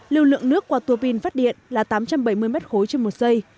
lưu lượng nước qua tua pin phát điện là tám trăm bảy mươi m ba trên một giây